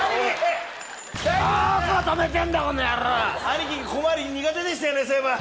兄貴小回り苦手でしたよね。